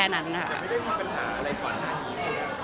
แต่ไม่ได้ทำปัญหาอะไรก่อนนั้นอีกสักครั้ง